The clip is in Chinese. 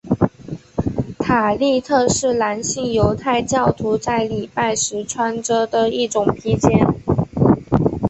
塔利特是男性犹太教徒在礼拜时穿着的一种披肩。